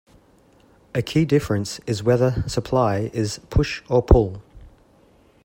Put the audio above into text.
A key difference is whether supply is 'push' or 'pull'.